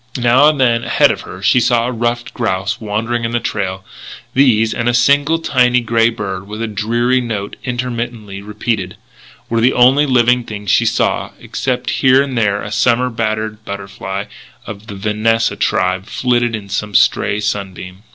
Now and then, ahead of her, she saw a ruffed grouse wandering in the trail. These, and a single tiny grey bird with a dreary note interminably repeated, were the only living things she saw except here and there a summer battered butterfly of the Vanessa tribe flitting in some stray sunbeam.